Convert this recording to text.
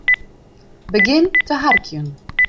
Begjin te harkjen.